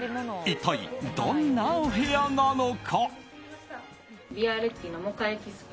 一体どんなお部屋なのか。